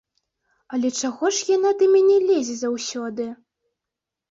Але чаго ж яна да мяне лезе заўсёды?